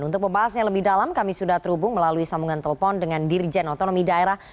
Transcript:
untuk membahasnya lebih dalam kami sudah terhubung melalui sambungan telepon dengan dirjen otonomi daerah